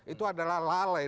itu adalah lalai